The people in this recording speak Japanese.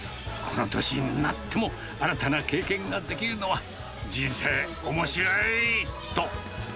この年になっても、新たな経験ができるのは人生、おもしろいと。